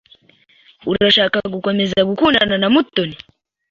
Urashaka gukomeza gukundana na Mutoni?